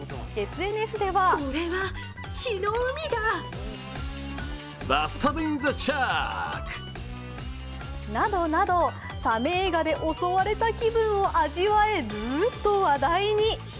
ＳＮＳではなどなど、サメ映画で襲われた気分を味わえる！？と話題に。